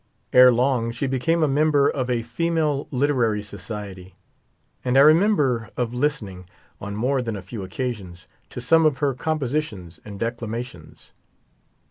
Ere long she became a member of a "Female Literary Society,'' and I remember of listening, on more than a few occasions, to some of her compositions and declamations.